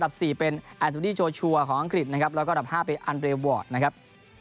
๔เป็นแอนตูดี้โจชัวร์ของอังกฤษนะครับแล้วก็อันดับ๕เป็นอันเรวอร์ดนะครับ